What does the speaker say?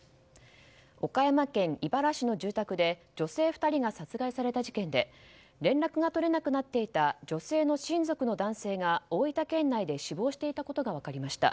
岡山県井原市の住宅で女性２人が殺害された事件で連絡が取れなくなっていた女性の親族の男性が大分県内で死亡していたことが分かりました。